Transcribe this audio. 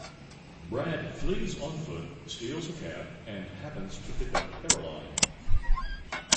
Brad flees on foot, steals a cab and happens to pick up Caroline.